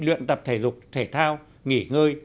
luyện tập thể dục thể thao nghỉ ngơi